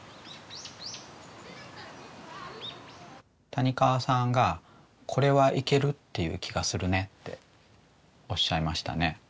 谷川さんが「これはいけるっていう気がするね」っておっしゃいましたね。